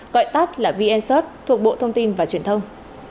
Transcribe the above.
gọi tắt là vncert thuộc bộ thông tin và truyền thông